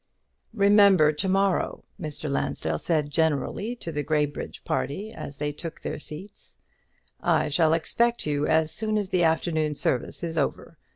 "Remember to morrow," Mr. Lansdell said generally to the Graybridge party as they took their seats. "I shall expect you as soon as the afternoon service is over.